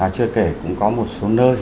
chưa kể cũng có một số nơi